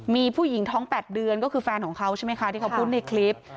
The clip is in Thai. มีผู้หญิงท้อง๘เดือนก็คือแฟนของเขาใช่ไหมคะที่เขาพูดในคลิป